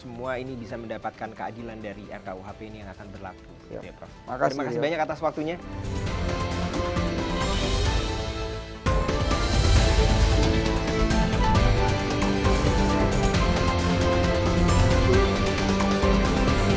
jika ini memang disahkan pada tahun ini kita harap semua ini bisa mendapatkan keadilan dari rkuhp ini yang akan berlaku